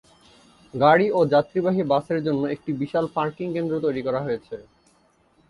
গাড়ি ও যাত্রীবাহী বাসের জন্য একটি বিশাল পার্কিং কেন্দ্র তৈরি করা হয়েছে।